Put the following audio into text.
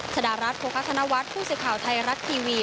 สดารรัฐโฮคาธนวัตรผู้สิทธิ์ข่าวไทยรัฐทีวี